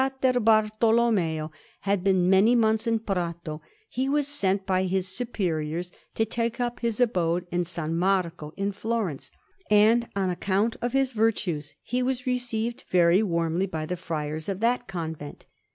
Rome: Corsini Gallery, 579_) Anderson] When Fra Bartolommeo had been many months in Prato, he was sent by his superiors to take up his abode in S. Marco at Florence, and on account of his virtues he was received very warmly by the friars of that convent.